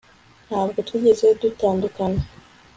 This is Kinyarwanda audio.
Ntabwo twigeze dutandukana